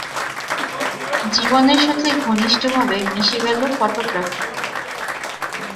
জীবনের সাথে ঘনিষ্ঠভাবে মিশে গেল ফটোগ্রাফি।